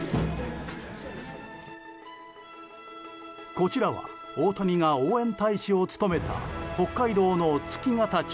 こちらは大谷が応援大使を務めた北海道の月形町。